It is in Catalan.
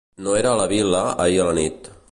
No era a la vil·la ahir a la nit.